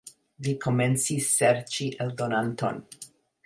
Li komencis serĉi eldonanton.